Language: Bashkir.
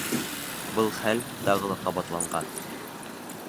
Был хәл тағы ла ҡабатланған.